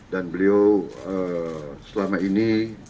dan beliau selama ini